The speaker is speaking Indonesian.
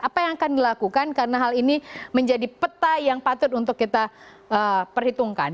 apa yang akan dilakukan karena hal ini menjadi peta yang patut untuk kita perhitungkan